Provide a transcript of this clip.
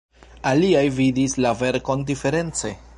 Aliaj vidis la verkon diference.